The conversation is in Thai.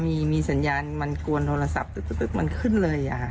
มีมีสัญญาณมันกวนโทรศัพท์มันขึ้นเลยอะค่ะ